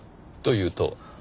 というと？